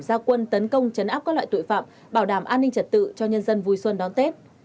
gia quân tấn công chấn áp các loại tội phạm bảo đảm an ninh trật tự cho nhân dân vui xuân đón tết